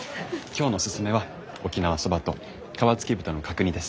今日のおすすめは沖縄そばと皮付き豚の角煮です。